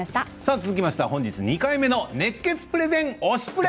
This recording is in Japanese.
続きましては本日２回目の熱血プレゼン「推しプレ！」。